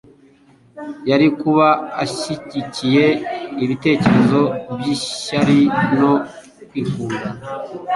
yari kuba ashyigikiye ibitekerezo by'ishyari no kwikunda,